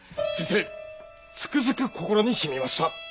先生つくづく心にしみました。